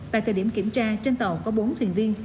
tại thời điểm kiểm tra trên tàu có bốn thuyền viên